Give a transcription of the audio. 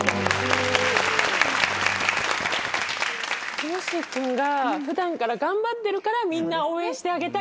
ティモシー君が普段から頑張ってるからみんな応援してあげたい。